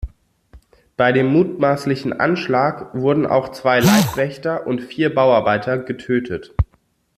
Bei dem mutmaßlichen Anschlag wurden auch zwei Leibwächter und vier Bauarbeiter getötet.